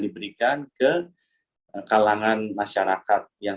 diberikan ke kalangan masyarakat yang